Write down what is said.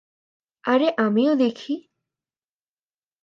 আরে আমিও দেখি।